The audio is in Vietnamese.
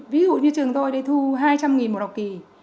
ví dụ như trường tôi đây thu hai trăm linh một học kỳ